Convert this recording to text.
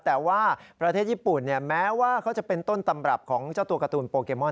แต่ว่าประเทศญี่ปุ่นแม้ว่าเขาจะเป็นต้นตำรับของเจ้าตัวการ์ตูนโปเกมอน